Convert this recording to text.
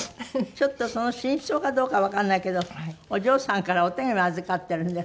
ちょっとその真相かどうかわからないけどお嬢さんからお手紙を預かってるんです。